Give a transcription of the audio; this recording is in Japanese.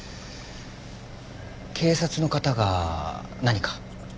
警察の方が何か？